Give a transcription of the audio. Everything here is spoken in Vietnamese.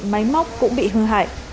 máy móc cũng bị hư hại